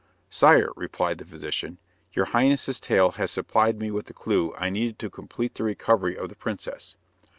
"Sire," replied the physician, "your Highness's tale has supplied me with the clue I needed to complete the recovery of the princess.